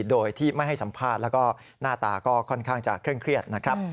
โดยที่ไม่ให้สัมภาษณ์แล้วก็หน้าตาก็ค่อนข้างจะเคร่งเครียดนะครับ